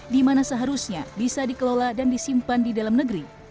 di mana seharusnya bisa dikelola dan disimpan di dalam negeri